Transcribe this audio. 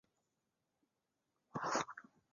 她还在呼吸